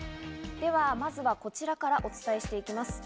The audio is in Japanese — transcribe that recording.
ではまずはこちらからお伝えしていきます。